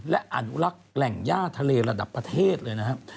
และอนุรักษ์แหล่งย่าทะเลระดับประเทศเลยนะครับ